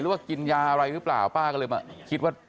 ว่ากินยาอะไรหรือเปล่าป้าก็เลยมาคิดว่า